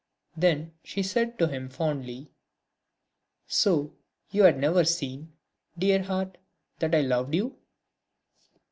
Then she said to him fondly: "So you had never seen, dear heart, that I loved you?"